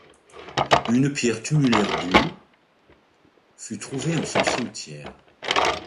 Une pierre tumulaire du fut trouvée en son cimetière.